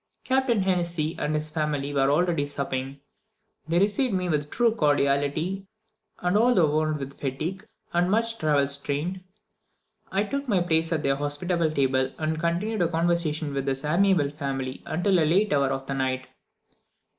Captain Henessey and his family were already supping: they received me with true cordiality, and, although worn out with fatigue, and much travel stained, I took my place at their hospitable table, and continued a conversation with this amiable family until a late hour of the night.